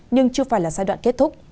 nhưng chưa phải là giai đoạn kết thúc